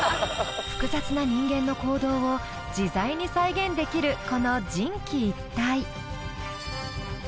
複雑な人間の行動を自在に再現できるこの人機一体。